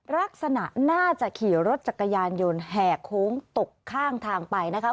ลักษณะน่าจะขี่รถจักรยานยนต์แห่โค้งตกข้างทางไปนะคะ